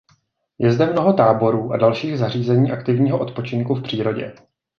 Je zde mnoho táborů a dalších zařízení aktivního odpočinku v přírodě.